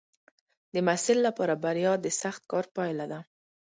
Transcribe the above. د محصل لپاره بریا د سخت کار پایله ده.